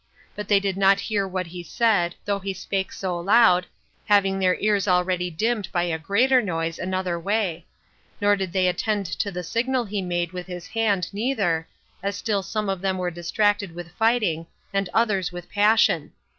But they did not hear what he said, though he spake so loud, having their ears already dimmed by a greater noise another way; nor did they attend to the signal he made with his hand neither, as still some of them were distracted with fighting, and others with passion.